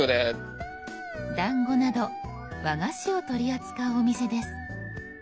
団子など和菓子を取り扱うお店です。